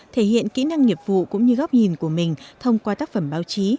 thể hiện kỹ năng nghiệp vụ cũng như góc nhìn của mình thông qua tác phẩm báo chí